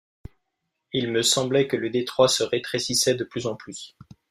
Il me semblait que le détroit se rétrécissait de plus en plus.